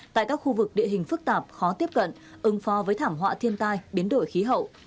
tại các khu vực địa hình phức tạp khó tiếp cận ứng phó với thảm họa thiên tai biến đổi khí hậu